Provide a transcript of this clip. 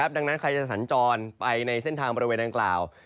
ดังนั้นใครจะสัญจรไปในเส้นทางบริเวณดังกล่าว